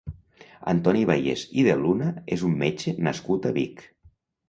Antoni Bayés i de Luna és un metge nascut a Vic.